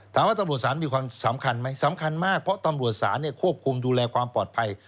ตำรวจศาลมีความสำคัญไหมสำคัญมากเพราะตำรวจศาลควบคุมดูแลความปลอดภัย